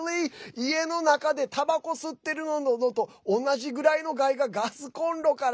家の中で、たばこ吸ってるのと同じぐらいの害がガスコンロから？